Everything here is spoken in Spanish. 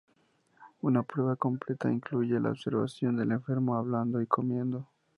Una prueba completa incluye la observación del enfermo hablando y comiendo.